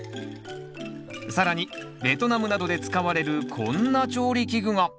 更にベトナムなどで使われるこんな調理器具が！